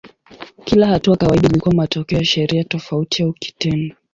Kila hatua kawaida ilikuwa matokeo ya sheria tofauti au kitendo.